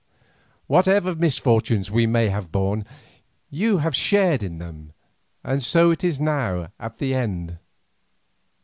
Whatever misfortunes we may have borne, you have shared in them, and so it is now at the end.